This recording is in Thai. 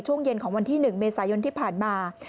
ช่วงเย็นของวันที่๑เมษายนที่ผ่านมา